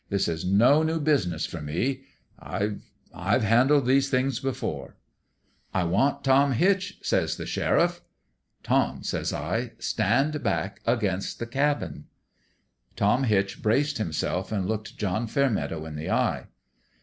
This is no new business for me. I've I've handled these things before/ "' Tom,' says I, ' stand back against the cabin.' " Tom Hitch braced himself and looked John Fairmeadow in the eye.